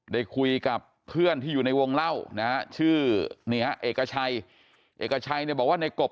ได้คุยกับเพื่อนที่อยู่ในวงเล่านะฮะชื่อนี่ฮะเอกชัยเอกชัยเนี่ยบอกว่าในกบ